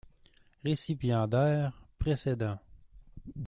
Récipiendaires précédents.